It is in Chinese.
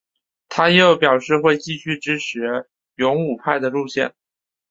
他又表示会继续支持勇武派的路线。